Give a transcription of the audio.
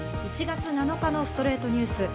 １月７日の『ストレイトニュース』。